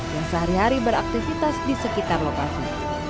yang sehari hari beraktivitas di sekitar lokasi